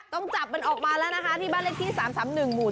ต้องจับมันออกมาแล้วนะคะที่บ้านเลขที่๓๓๑หมู่๔